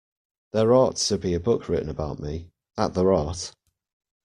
There ought to be a book written about me, that there ought!